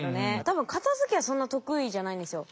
多分片づけはそんな得意じゃないんですよ。